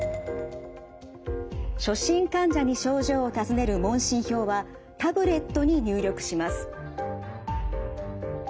初診患者に症状を尋ねる問診票はタブレットに入力します。